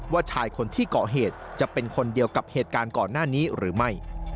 ชายคนที่เกาะเหตุจะเป็นคนเดียวกับเหตุการณ์ก่อนหน้านี้หรือไม่